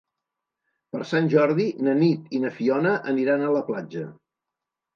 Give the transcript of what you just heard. Per Sant Jordi na Nit i na Fiona aniran a la platja.